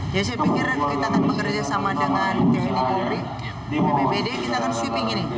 jadi saya pikir kita akan bekerja sama dengan tni duri bpd kita akan sweeping ini